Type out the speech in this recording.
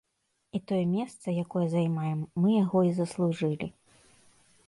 І тое месца, якое займаем, мы яго і заслужылі.